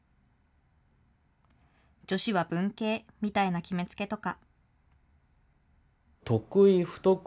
女子は文系みたいな決めつけとか。